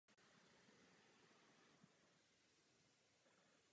Nesmíme však zapomínat, že oběťmi této války byli srbští lidé.